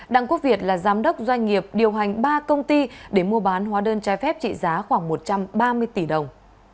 đặng quốc việt là giám đốc doanh nghiệp điều hành ba công ty để mua bán hóa đơn trai phép trị giá khoảng một trăm ba mươi tỷ đồng